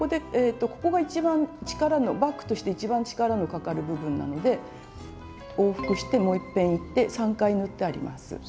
ここが一番バッグとして一番力のかかる部分なので往復してもういっぺんいって３回縫ってあります。